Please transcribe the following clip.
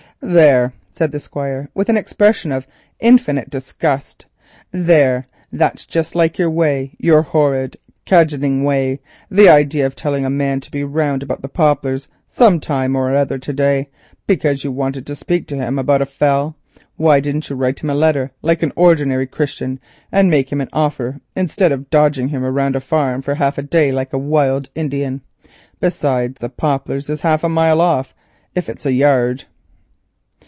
"There," said the Squire with an expression of infinite disgust, "there, that's just like your way, your horrid cadging way; the idea of telling a man to be 'round about the Poplars' sometime or other to day, because you wanted to speak to him about a fell. Why didn't you write him a letter like an ordinary Christian and make an offer, instead of dodging him round a farm for half a day like a wild Indian? Besides, the Poplars is half a mile off, if it's a yard."